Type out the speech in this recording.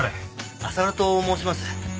浅野と申します。